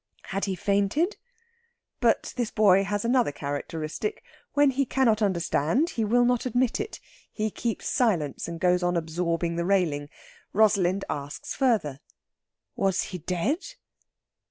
"Had he fainted?" But this boy has another characteristic when he cannot understand he will not admit it. He keeps silence, and goes on absorbing the railing. Rosalind asks further: "Was he dead?"